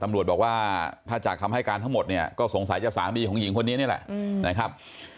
ตำรวจบอกว่าถ้าจากคำให้การทั้งหมดเนี่ยก็สงสัยจะสามีของหญิงคนนี้นี่แหละนะครับ